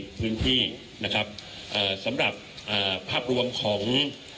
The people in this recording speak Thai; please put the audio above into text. คุณผู้ชมไปฟังผู้ว่ารัฐกาลจังหวัดเชียงรายแถลงตอนนี้ค่ะ